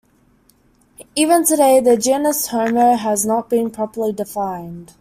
Even today, the genus "Homo" has not been properly defined.